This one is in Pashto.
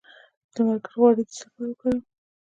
د لمر ګل غوړي د څه لپاره وکاروم؟